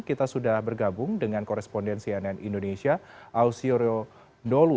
kita sudah bergabung dengan korespondensi ann indonesia ausio rionolu